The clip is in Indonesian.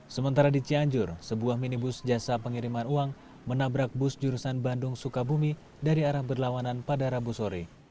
sementara di cianjur sebuah minibus jasa pengiriman uang menabrak bus jurusan bandung sukabumi dari arah berlawanan pada rabu sore